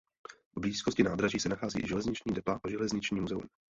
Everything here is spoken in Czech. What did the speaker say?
V blízkosti nádraží se nachází i železniční depa a železniční muzeum.